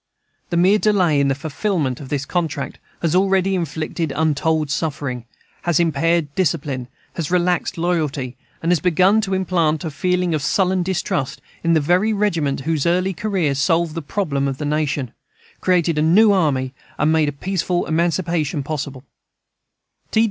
The mere delay in the fulfillment of this contract has already inflicted untold suffering, has impaired discipline, has relaxed loyalty, and has begun to implant a feeling of sullen distrust in the very regiments whose early career solved the problem of the nation, created a new army, and made peaceful emancipation possible.